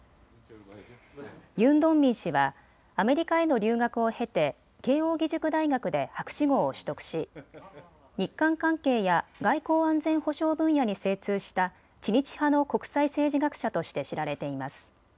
ユン・ドンミン氏はアメリカへの留学を経て慶應義塾大学で博士号を取得し日韓関係や外交・安全保障分野に精通した知日派の国際政治学者として知られています。